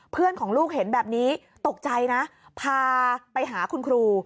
เพื่อนของลูกเห็นแบบนี้ตกใจนะพาไปหาคุณครู